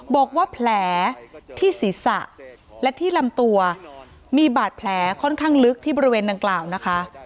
บอกว่าแผลที่ศีรษะและที่ลำตัวมีบาดแผลค่อนข้างลึกที่บริเวณดังกล่าวนะคะ